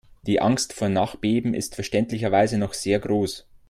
Die Angst vor Nachbeben ist verständlicherweise noch sehr groß.